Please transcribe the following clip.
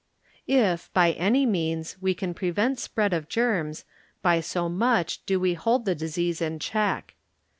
If, by any means, we can prevent spread of germs, by so much do we hold the disease in check.